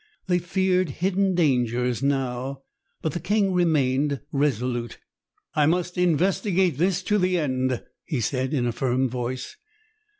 They feared hidden dangers now. But the king remained resolute. "I must investigate this to the end," he said in a firm voice.